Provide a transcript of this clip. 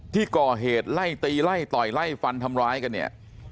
ที่ก่อเหตุไล่ตีไล่ต่อยไล่ฟันทำร้ายกันเนี่ย